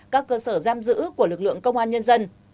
các cơ sở giam giữ của lực lượng công an nhân dân